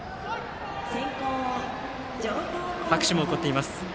拍手も起こっています。